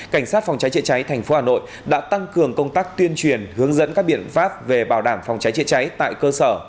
cảnh sát phòng cháy chữa cháy thành phố hà nội đã tăng cường công tác tuyên truyền hướng dẫn các biện pháp về bảo đảm phòng cháy chữa cháy tại cơ sở